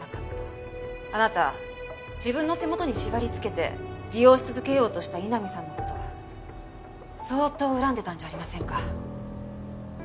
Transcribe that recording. あなた自分の手元に縛りつけて利用し続けようとした井波さんの事相当恨んでたんじゃありませんか？